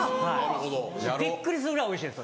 びっくりするぐらいおいしいです。